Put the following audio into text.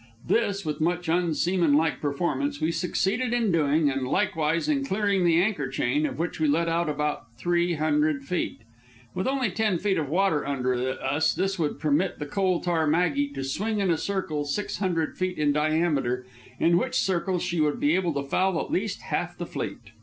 This, with much unseamanlike performance, we succeeded in doing, and likewise in clearing the anchor chain, of which we let out about three hundred feet. With only ten feet of water under us, this would permit the Coal Tar Maggie to swing in a circle six hundred feet in diameter, in which circle she would be able to foul at least half the fleet.